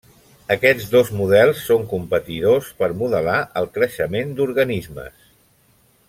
Aquests dos models són competidors per modelar el creixement d'organismes.